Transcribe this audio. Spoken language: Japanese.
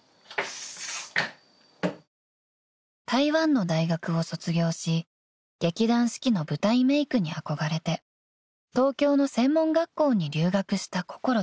［台湾の大学を卒業し劇団四季の舞台メークに憧れて東京の専門学校に留学した心ちゃん］